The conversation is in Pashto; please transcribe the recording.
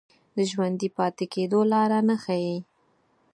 د ژوندي پاتې کېدو لاره نه ښييلې